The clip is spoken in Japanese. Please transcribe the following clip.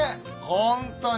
ホントに。